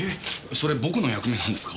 それ僕の役目なんですか？